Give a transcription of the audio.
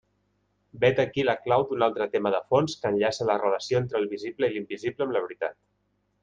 Vet aquí la clau d'un altre tema de fons que enllaça la relació entre el visible i l'invisible amb la veritat.